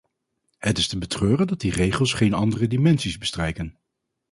Het is te betreuren dat die regels geen andere dimensies bestrijken.